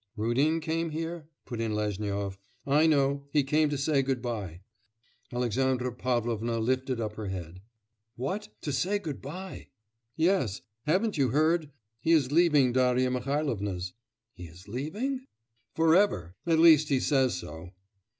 'Rudin came here?' put in Lezhnyov. 'I know, he came to say good bye.' Alexandra Pavlovna lifted up her head. 'What, to say good bye!' 'Yes. Haven't you heard? He is leaving Darya Mihailovna's.' 'He is leaving?' 'For ever; at least he says so.